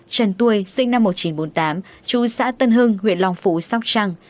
trần tuôi sinh năm một nghìn chín trăm bốn mươi tám chú xã tân hưng huyện long phú sóc trăng